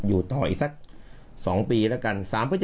อยู่ต่ออีกสัก๒ปีแล้วกัน